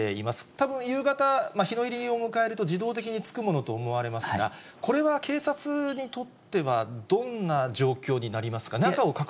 たぶん、夕方、日の入りを迎えると、自動的につくものと思われますが、これは警察にとってはどんな状況になりますか。